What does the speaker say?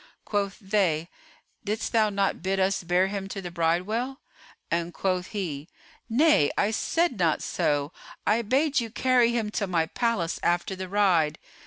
Quoth they, "Didst thou not bid us bear him to the bridewell?"; and quoth he, "Nay, I said not so; I bade you carry him to my palace after the ride."